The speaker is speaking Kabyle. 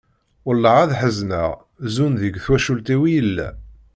wallah ar ḥezneɣ, zun deg twacult-iw i yella.